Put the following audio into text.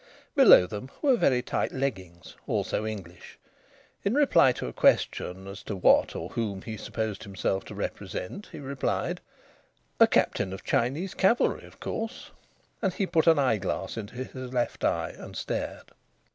Below them were very tight leggings, also English. In reply to a question as to what or whom he supposed himself to represent, he replied: "A Captain of Chinese cavalry, of course." And he put an eyeglass into his left eye and stared.